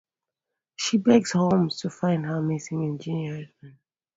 She begs Holmes to find her missing engineer husband.